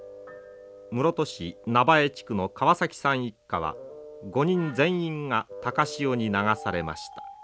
室戸市菜生地区の川さん一家は５人全員が高潮に流されました。